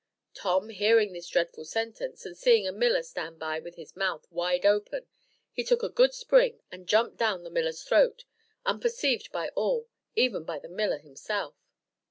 Tom hearing this dreadful sentence, and seeing a miller stand by with his mouth wide open, he took a good spring, and jumped down the miller's throat, unperceived by all, even by the miller himself.